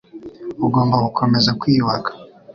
Ugomba gukomeza kwiyubaka ”